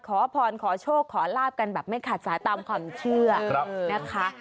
ขอพรขอโชคขอลาบกันแบบไม่ขาดสายตามความเชื่อนะคะ